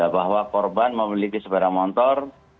bahwa korban memiliki sepeda motor